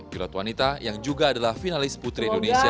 pilot wanita yang juga adalah finalis putri indonesia dua ribu dua puluh